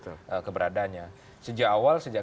tentang keberadanya sejak awal sejak